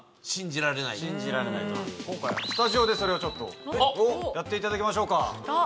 今回はスタジオでそれをちょっとやっていただきましょうか。